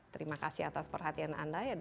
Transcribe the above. terima kasih atas perhatian anda